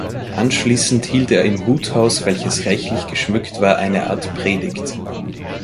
Anschließend hielt er im Huthaus, welches reichlich geschmückt war, eine Art Predigt.